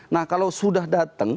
nah kalau sudah datang